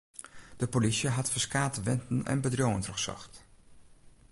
De polysje hat ferskate wenten en bedriuwen trochsocht.